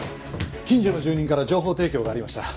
近所の住人から情報提供がありました。